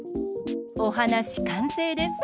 おはなしかんせいです。